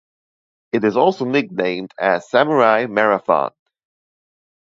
It is also nicknamed as "Samurai Marathon".